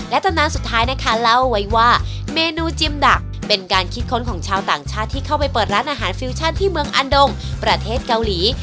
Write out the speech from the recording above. ตำนานสุดท้ายนะคะเล่าไว้ว่าเมนูจิมดักเป็นการคิดค้นของชาวต่างชาติที่เข้าไปเปิดร้านอาหารฟิวชั่นที่เมืองอันดงประเทศเกาหลี